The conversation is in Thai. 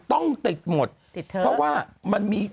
ต้องติดใหม่